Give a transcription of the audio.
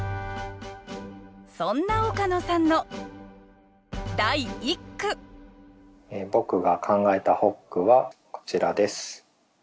そんな岡野さんの第一句僕が考えた発句はこちらです。